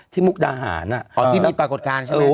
มุกดาหารอ๋อที่มีปรากฏการณ์ใช่ไหม